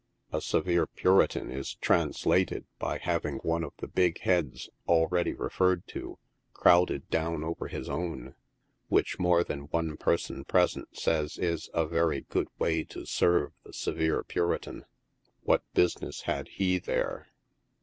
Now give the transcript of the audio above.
A severe puritan is " translated" by having one of the big heads, already referred to, crowded down over his own, which more than one person present saiya is a l very good way to serve the severe puritan ; what business had he there?'